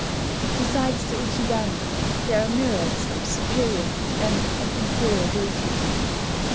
Besides the Ujigami, there are myriads of superior and of inferior deities.